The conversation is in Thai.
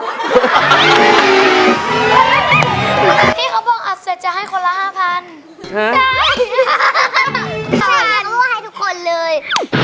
พี่เขาบอกอ่ะเสร็จจะให้คนละห้าพันได้ให้ทุกคนเลย